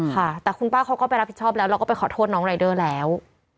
ค่ะแต่คุณป้าเขาก็ไปรับผิดชอบแล้วแล้วก็ไปขอโทษน้องรายเดอร์แล้ว